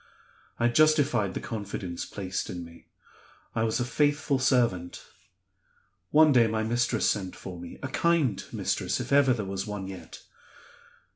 I justified the confidence placed in me; I was a faithful servant. One day my mistress sent for me a kind mistress, if ever there was one yet.